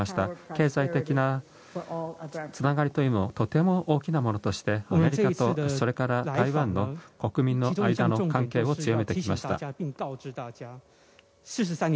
経済的なつながりというのもとても大きなものとしてアメリカとそれから台湾の国民の間の関係を強めてきました。